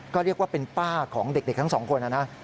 ก็เรียกว่าเป็นป้าของเด็กทั้งสองคนนะนะ